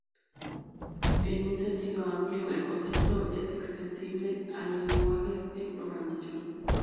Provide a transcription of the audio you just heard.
En un sentido amplio, el concepto es extensible a los lenguajes de programación.